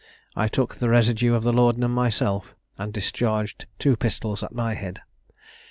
I took the residue of the laudanum myself, and discharged two pistols at my head.